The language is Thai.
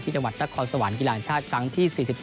ที่จังหวัดตะขอร์สวันในกีฬาแห่งชาติครั้งที่๔๔